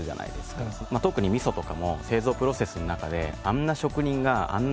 特に味噌とかも製造プロセスの中であんな職人があんな